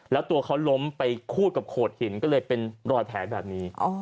แล้วตัวเขาล้มไปคูดกับโขดหินก็เลยเป็นรอยแผลแบบนี้